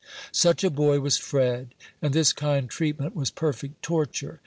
Such a boy was Fred; and this kind treatment was perfect torture.